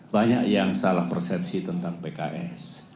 banyak yang salah persepsi tentang pks